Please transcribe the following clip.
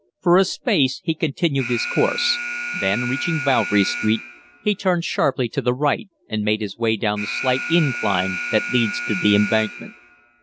For a space he continued his course, then, reaching Bouverie Street, he turned sharply to the right and made his way down the slight incline that leads to the Embankment.